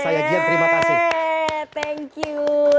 saya gyan terima kasih